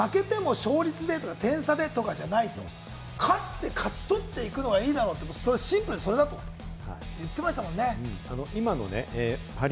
負けても勝率でとか点差でとかじゃない、勝って、勝ち取っていくのがいいだろうって、シンプルに、それだと言ってましたもんね。